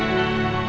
aku mau ke rumah